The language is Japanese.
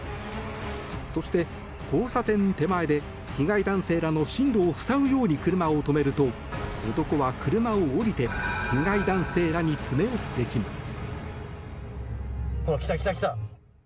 そして交差点手前で被害男性らの進路を塞ぐように車を止めると、男は車を降りて被害男性らに詰め寄ってきます。